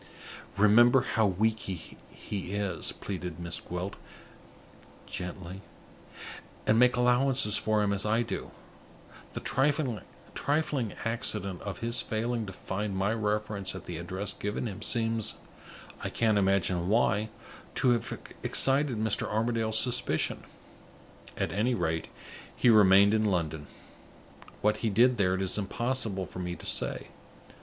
"Remember how weak he is," pleaded Miss Gwilt, gently, "and make allowances for him as I do. The trifling accident of his failing to find my reference at the address given him seems, I can't imagine why, to have excited Mr. Armadale's suspicion. At any rate, he remained in London. What he did there, it is impossible for me to say.